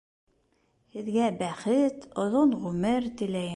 Һеҙгә бәхет, оҙон ғүмер теләйем.